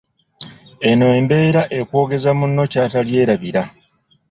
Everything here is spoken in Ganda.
Eno embeera ekwogeza munno ky’atalyerabira.